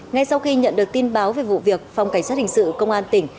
ngay sau khi nhận được tin báo về vụ việc phòng cảnh sát hình sự công an tỉnh